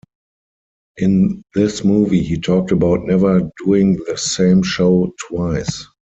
In this movie, he talked about never doing the same show twice.